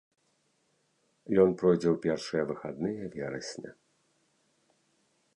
Ён пройдзе ў першыя выхадныя верасня.